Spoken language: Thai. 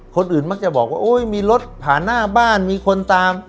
คนอื่นมักจะบอกว่าโอ้ยมีรถผ่านหน้าบ้านมีคนตาม